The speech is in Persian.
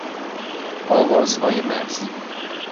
آوازهای مرزی